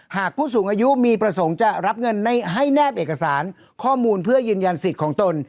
ผู้สูงอายุมีประสงค์จะรับเงินให้แนบเอกสารข้อมูลเพื่อยืนยันสิทธิ์ของตน